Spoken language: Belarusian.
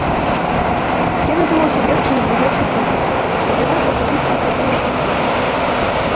Я надумаўся бегчы на бліжэйшы хутар, спадзяваўся купіць там хоць трошку хлеба.